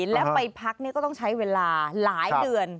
แล้วไปพักก็ต้องใช้เวลาหลายเดือน